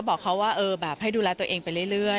บอกเขาว่าแบบให้ดูแลตัวเองไปเรื่อย